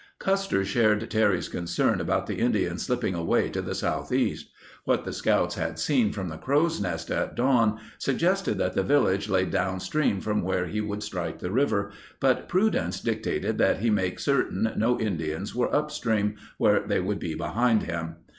Custer shared Terry's concern about the Indians slipping away to the southeast. What the scouts had seen from the Crow's Nest at dawn suggested that the village lay downstream from where he would strike the river, but prudence dictated that he make certain no Indians were upstream, where they would be behind him.